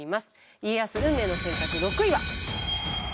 家康運命の選択６位は。